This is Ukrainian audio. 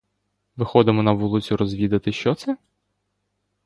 Виходимо на вулицю розвідати, що це?